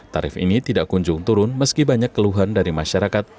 tarif ini tidak kunjung turun meski banyak keluhan dari masyarakat